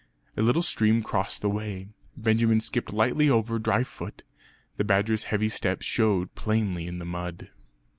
A little stream crossed the way. Benjamin skipped lightly over dry foot; the badger's heavy steps showed plainly in the mud.